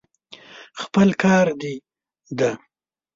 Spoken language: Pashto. خپل کار دې دی.